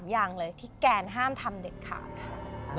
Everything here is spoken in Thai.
อย่างเลยที่แกนห้ามทำเด็ดขาดค่ะ